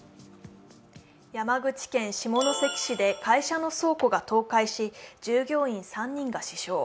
山口県下関市で会社の倉庫が倒壊し、従業員３人が死傷。